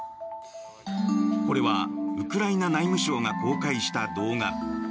これはウクライナ内務省が公開した動画。